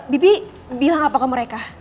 bibi bilang apa ke mereka